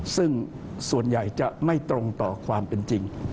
ซึ่งส่วนใหญ่จะไม่ตรงต่อความเป็นจริง